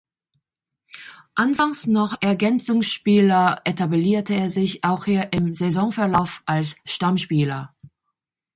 Anfangs noch Ergänzungsspieler etablierte er sich auch hier im Saisonverlauf als Stammspieler.